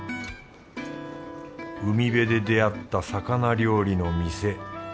海辺で出会った魚料理の店。